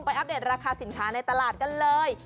อัปเดตราคาสินค้าในตลาดกันเลย